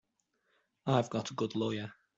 I've got a good lawyer.